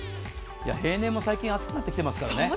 平年も最近暑くなってきてますからね。